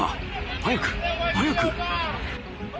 早く、早く！